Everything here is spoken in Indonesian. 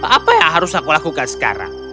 apa yang harus aku lakukan sekarang